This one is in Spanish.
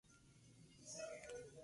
A pesar de tener mas aspecto de casa.